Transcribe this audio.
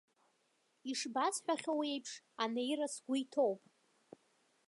Ишбасҳәахьоу еиԥш, анеира сгәы иҭоуп.